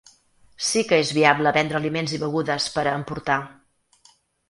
Sí que és viable vendre aliments i begudes per a emportar.